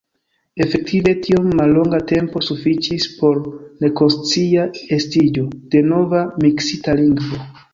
Efektive, tiom mallonga tempo sufiĉis por nekonscia estiĝo de nova miksita lingvo.